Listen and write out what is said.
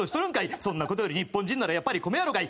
そんなことより日本人ならやっぱり米やろがい！